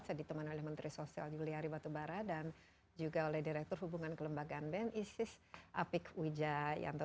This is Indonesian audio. saya ditemani oleh menteri sosial juliari batubara dan juga oleh direktur hubungan kelembagaan bni sis apik wijayanto